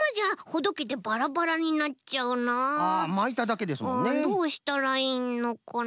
どうしたらいいのかな？